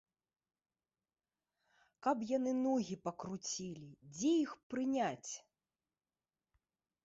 Каб яны ногі пакруцілі, дзе іх прыняць?